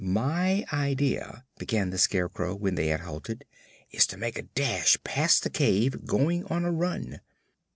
"My idea," began the Scarecrow, when they had halted, "is to make a dash past the cave, going on a run."